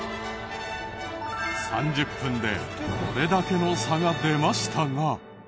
３０分でこれだけの差が出ましたが。